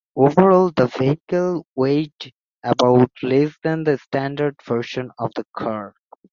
Overall the vehicle weighed about less than the standard version of the car.